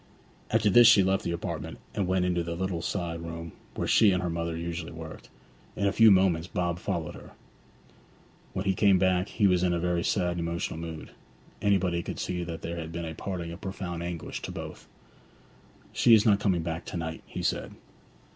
After this she left the apartment, and went into the little side room where she and her mother usually worked. In a few moments Bob followed her. When he came back he was in a very sad and emotional mood. Anybody could see that there had been a parting of profound anguish to both. 'She is not coming back to night,' he said.